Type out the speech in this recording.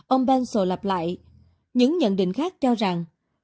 ông pencil lặp lại những nhận định khác cho rằng